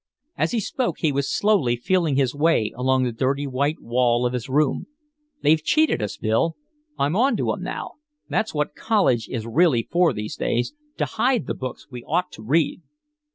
As he spoke he was slowly feeling his way along the dirty white wall of his room. "They've cheated us, Bill, I'm on to 'em now! That's what college is really for these days, to hide the books we ought to read!"